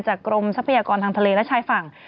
กรมทรัพยากรทางทะเลและชายฝั่ง